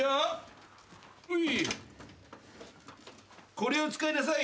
これを使いなさい。